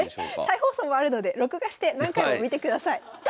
再放送もあるので録画して何回も見てください。